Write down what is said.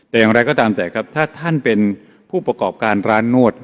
แต่อย่างไรก็ตามแต่ครับถ้าท่านเป็นผู้ประกอบการร้านนวด